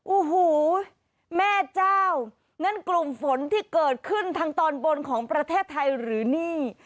โอ้โหแม่เจ้านั่นกลุ่มฝนที่เกิดขึ้นทางตอนบนของประเทศไทยหรือนี่